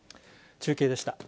中継でした。